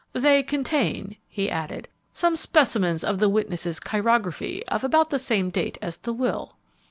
"They contain," he added, "some specimens of the witness's chirography of about the same date as the will."